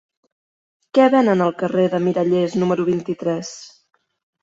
Què venen al carrer de Mirallers número vint-i-tres?